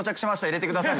「入れてください」